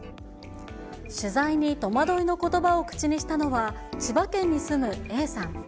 取材に戸惑いのことばを口にしたのは、千葉県に住むＡさん。